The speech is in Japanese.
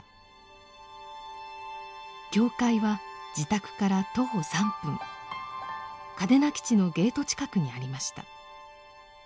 教会は自宅から徒歩３分嘉手納基地のゲート近くにありました。